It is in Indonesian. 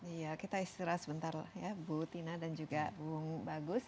iya kita istirahat sebentar ya bu tina dan juga bung bagus